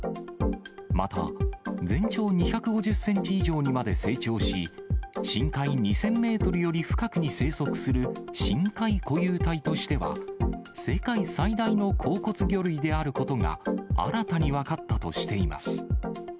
また、全長２５０センチ以上にまで成長し、深海２０００メートルより深くに生息する深海固有体としては、世界最大の硬骨魚類であることが新たに分かったとしています。